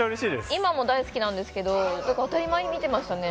今も大好きなんですけどだから当たり前に見てましたね。